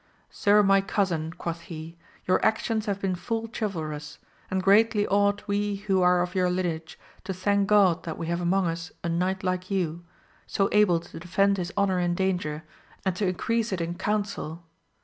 Sir my cousin, quoth he, your actions have been full chivalrous, and greatly ought we who are of your lineage to thank God that we have among us a knight like you, so able to defend his honour in danger, and to increase it in counsel